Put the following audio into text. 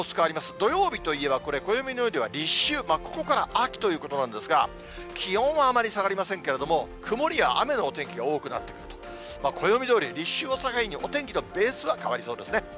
土曜日といえば、これ、暦の上では立秋、ここから秋ということなんですが、気温はあまり下がりませんけれども、曇りや雨のお天気が多くなってくると、暦どおり、立秋を境にお天気のベースは変わりそうですね。